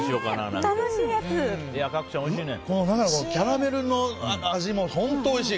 中のキャラメルの味も本当においしい。